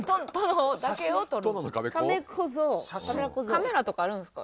カメラとかあるんですか？